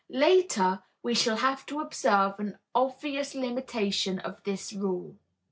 Later we shall have to observe an obvious limitation of this rule.